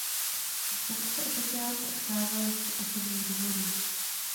Z funkce oficiálně odcházel z osobních důvodů.